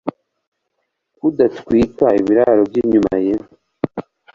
kudatwika ibiraro bye inyuma ye